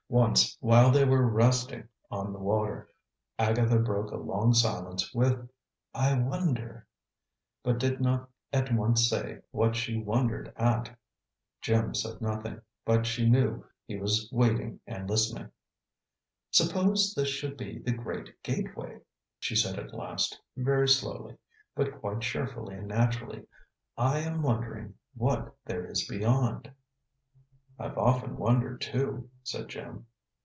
Once, while they were "resting" on the water, Agatha broke a long silence with, "I wonder " but did not at once say what she wondered at. Jim said nothing, but she knew he was waiting and listening. "Suppose this should be the Great Gateway," she said at last, very slowly, but quite cheerfully and naturally. "I am wondering what there is beyond." "I've often wondered, too," said Jim.